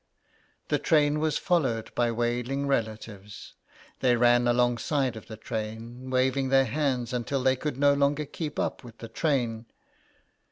The train was followed by wailing relatives. They ran alongside of the train, waving their hands until they could no longer keep up with the train.